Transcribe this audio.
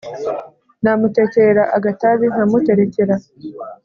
Namutekerera agatabi nkamuterekera